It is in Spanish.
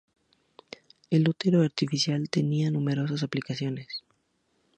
El útero artificial tendría numerosas aplicaciones.